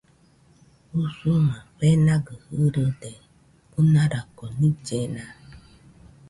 Usuma fenagɨ irɨde ɨnarako nillena